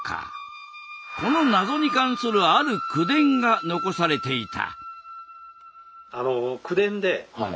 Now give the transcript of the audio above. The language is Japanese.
この謎に関するある口伝が残されていた。